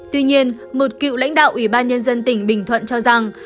tuy nhiên một cựu lãnh đạo ủy ban nhân dân tỉnh bình thuận cho rằng